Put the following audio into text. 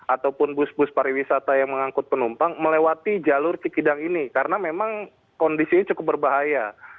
ataupun bus bus pariwisata yang mengangkut penumpang melewati jalur cikidang ini karena memang kondisinya cukup berbahaya